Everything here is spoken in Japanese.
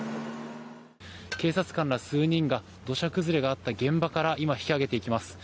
警察官ら数人が土砂崩れがあった現場から引き揚げていきます。